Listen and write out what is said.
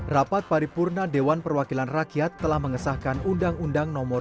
rapat paripurna dewan perwakilan rakyat telah mengesahkan undang undang nomor tiga